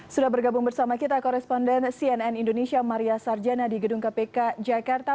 sudah bergabung bersama kita koresponden cnn indonesia maria sarjana di gedung kpk jakarta